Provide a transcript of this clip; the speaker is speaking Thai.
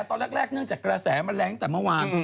ตอนแรกเนื่องจากกระแสแมลงจากเมื่อวาน